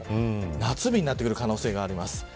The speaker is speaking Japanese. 夏日になってくる可能性があります。